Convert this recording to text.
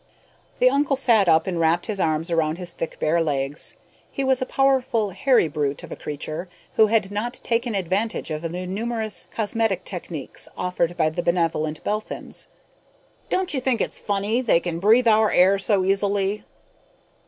The uncle sat up and wrapped his arms around his thick bare legs. He was a powerful, hairy brute of a creature who had not taken advantage of the numerous cosmetic techniques offered by the benevolent Belphins. "Don't you think it's funny they can breathe our air so easily?"